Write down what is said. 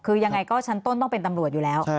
คือยังไงก็ชั้นต้นต้องเป็นตำรวจอยู่แล้ว